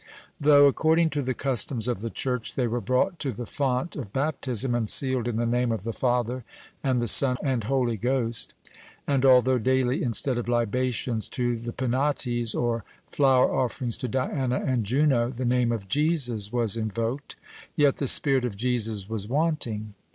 Though, according to the customs of the church, they were brought to the font of baptism, and sealed in the name of the Father, and the Son, and Holy Ghost, and although daily, instead of libations to the Penates, or flower offerings to Diana and Juno, the name of Jesus was invoked, yet the spirit of Jesus was wanting.